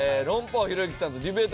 王ひろゆきさんとディベート